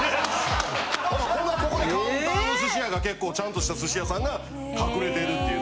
ほんまここでカウンターの寿司屋が結構ちゃんとした寿司屋さんが隠れてるっていう。